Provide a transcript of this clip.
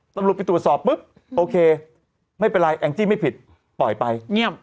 ตำรวจไปตรวจสอบปุ๊บโอเคไม่เป็นไรแองจี้ไม่ผิดปล่อยไปเงียบ